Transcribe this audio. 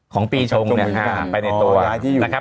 ของปีชงนะฮะไปในตัวอ๋อยายที่อยู่